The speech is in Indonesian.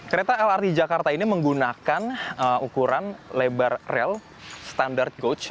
kereta lrt jakarta ini menggunakan ukuran lebar rel standar goach